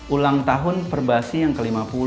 ulang tahun perbasi yang ke lima puluh